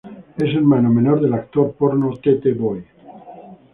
Es hermano menor del actor porno T. T. Boy.